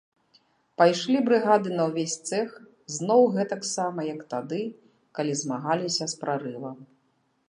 Пайшлі брыгады на ўвесь цэх, зноў гэтаксама, як тады, калі змагаліся з прарывам.